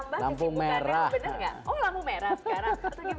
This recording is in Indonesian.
oh lampu merah sekarang